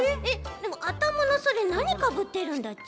でもあたまのそれなにかぶってるんだち？